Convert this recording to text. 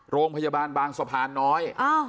โรงพยาบาลบางสะพานน้อย